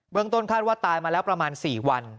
ต้นคาดว่าตายมาแล้วประมาณ๔วัน